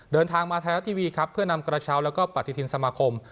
เดินทางมาไทยรัฐทีวีครับเพื่อนำกระเช้าแล้วก็ปฏิทินสมาคม